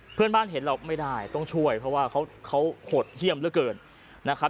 เพื่อนบ้านเห็นเราไม่ได้ต้องช่วยเพราะว่าเขาหดเยี่ยมเหลือเกินนะครับ